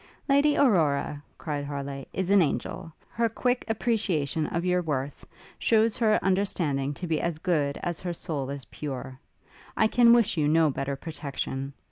'Lady Aurora,' cried Harleigh, 'is an angel. Her quick appreciation of your worth, shews her understanding to be as good as her soul is pure. I can wish you no better protection.